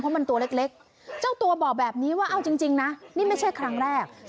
เพราะมันตัวเล็กเจ้าตัวบอกแบบนี้ว่าเอาจริงนะนี่ไม่ใช่ครั้งแรก